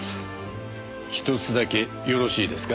ひとつだけよろしいですか？